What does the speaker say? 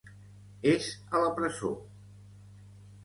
És a la presó.